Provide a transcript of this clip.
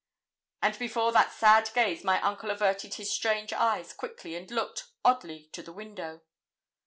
From before that sad gaze my uncle averted his strange eyes quickly, and looked, oddly, to the window.